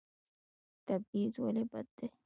تبعیض ولې بد دی؟